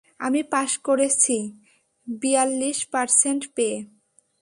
আমি পাশ করেছি বিয়াল্লিশ পারসেন্ট পেয়ে!